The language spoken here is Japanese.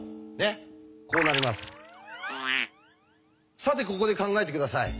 さてここで考えて下さい。